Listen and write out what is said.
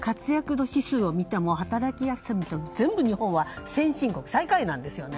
度指数をみても働きやすさも全部日本は先進国で最下位なんですよね。